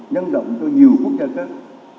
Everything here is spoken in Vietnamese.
nhân động cho nhiều quốc gia khác